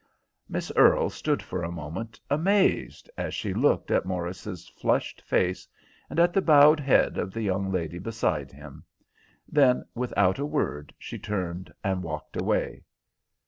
Miss Earle stood for a moment amazed as she looked at Morris's flushed face, and at the bowed head of the young lady beside him; then, without a word, she turned and walked away.